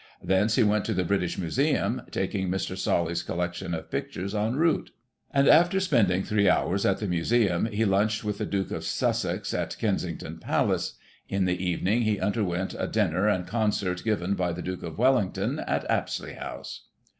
Thence he went to the British Museum, taking Mr. Solly's collection of pictures en route; and after spending three hours at the Museum, he lunched with the Duke of Sussex at Kensington Palace. In the evening, he underwent a dinner and concert given by the Duke of Wellington at Apsley House.